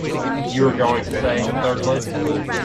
You were going to say, thirdly?